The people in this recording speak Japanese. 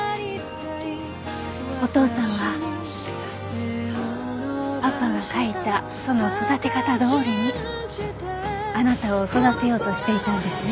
お父さんはパパが書いたその育て方どおりにあなたを育てようとしていたんですね。